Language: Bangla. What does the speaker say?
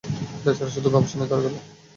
বেচারা শুধু গবেষণাই করে গেলো।